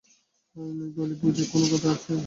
আমি বলি, বুঝি কোনো কথা আছে।